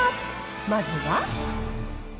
まずは。